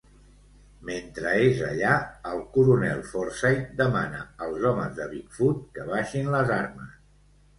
Mentre és allà, el coronel Forsyth demana als homes de Big Foot que baixin les armes.